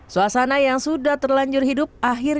ya mas dikalah